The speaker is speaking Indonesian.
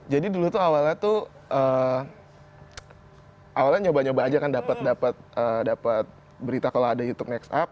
jadi dulu tuh awalnya tuh awalnya nyoba nyoba aja kan dapat berita kalau ada youtube nextup